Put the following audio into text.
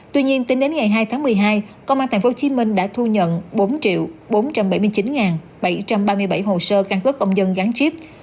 tuy nhiên tính đến ngày hai tháng một mươi hai công an tp hcm đã thu nhận bốn bốn trăm bảy mươi chín bảy trăm ba mươi bảy hồ sơ căn cước công dân gắn chip